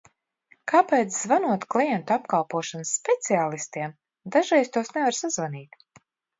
Kāpēc, zvanot klientu apkalpošanas speciālistiem, dažreiz tos nevar sazvanīt?